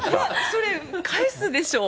それ、返すでしょう。